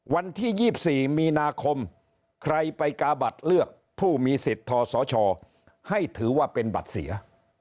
วันที่๒๔มีนาคมใครไปกาบัตรเลือกผู้มีสิทธิ์ทศชให้ถือว่าเป็นบัตรเสีย